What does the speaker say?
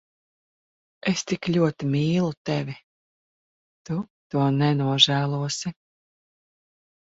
Es tik ļoti mīlu tevi. Tu to nenožēlosi.